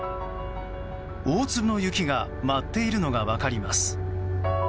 大粒の雪が舞っているのが分かります。